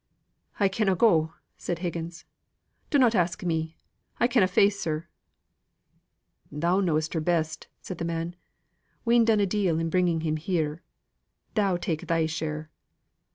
"I canna go," said Higgins. "Dunnot ask me. I canna face her." "Thou knows her best," said the man. "We'n done a deal in bringing him here thou take thy share."